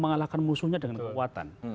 mengalahkan musuhnya dengan kekuatan